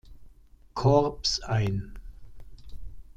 Korps ein.